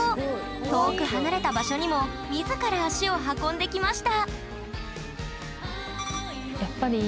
遠く離れた場所にも自ら足を運んできました